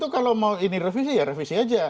kalau mau ini revisi ya revisi aja